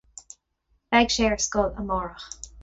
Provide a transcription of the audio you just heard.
Beidh sé ar scoil amárach